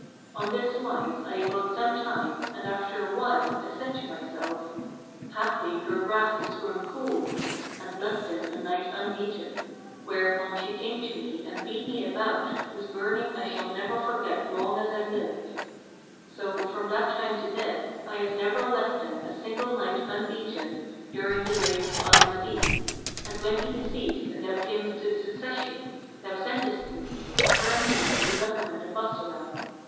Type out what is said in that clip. On this wise I abode some time and after a while I said to myself, 'Haply her wrath is grown cool;' and left them a night unbeaten, whereupon she came to me and beat me a bout whose burning I shall never forget long as I live. So, from that time to this, I have never left them a single night unbeaten during the reign of Al Mahdi; and when he deceased and thou camest to the succession, thou sentest to me, confirming me in the government of Bassorah.